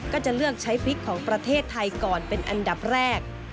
ก็จะเลือกใช้ฟิกของประเทศไทยก่อนเป็นอันดับแรก